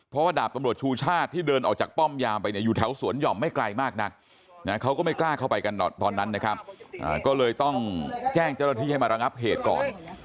เพราะว่าดาบตำรวจชูชาติที่เดินออกจากป้อมยามไปเนี่ยอยู่แถวสวนหย่อมไม่ไกลมากนักเขาก็ไม่กล้าเข้าไปกันตอนนั้นนะครับก็เลยต้องแจ้งเจ้าหน้าที่ให้มาระงับเหตุก่อน